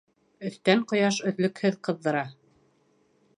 Өҫтән ҡояш өҙлөкһөҙ ҡыҙҙыра.